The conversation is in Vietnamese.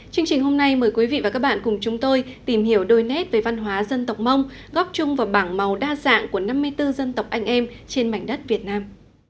chương trình hôm nay mời quý vị và các bạn cùng chúng tôi tìm hiểu đôi nét về văn hóa dân tộc mông góp chung vào bảng màu đa dạng của năm mươi bốn dân tộc anh em trên mảnh đất việt nam